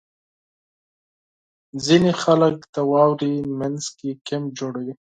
• ځینې خلک د واورې مینځ کې کیمپ جوړوي.